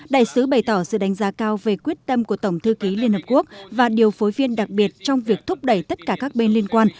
đại sứ bày tỏ sự đánh giá cao về quyết tâm của tổng thư ký liên hợp quốc và điều phối viên đặc biệt trong việc thúc đẩy tất cả các bên liên quan